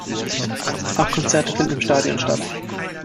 Auch Konzerte finden im Stadion statt.